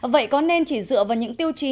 vậy có nên chỉ dựa vào những tiêu chí